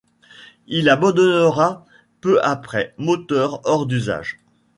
Il abandonnera peu après, moteur hors d'usage.